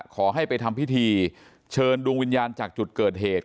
ขอให้ไปทำพิธีเชิญดวงวิญญาณจากจุดเกิดเหตุ